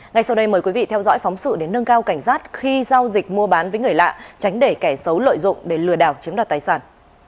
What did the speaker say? ngay sau đây mời quý vị theo dõi phóng sự để nâng cao cảnh giác khi giao dịch mua bán với người lạ tránh để kẻ xấu lợi dụng để lừa đảo chiếm đoạt tài sản